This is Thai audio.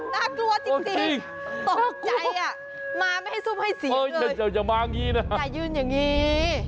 น่ากลัวจริงตกใจมาไม่ให้ซุมให้สิเลยอย่ายืนอย่างนี้